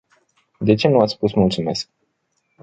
De ce nu ați spus "mulțumesc”?